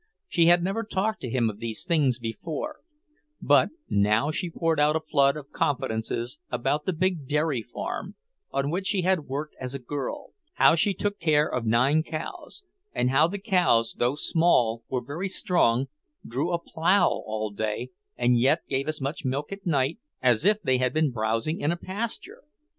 She had never talked to him of these things before, but now she poured out a flood of confidences about the big dairy farm on which she had worked as a girl; how she took care of nine cows, and how the cows, though small, were very strong, drew a plough all day and yet gave as much milk at night as if they had been browsing in a pasture!